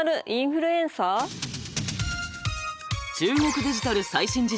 中国デジタル最新事情。